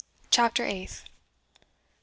CHAPTER EIGHTH.